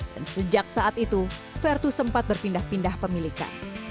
dan sejak saat itu vertu sempat berpindah pindah pemilikan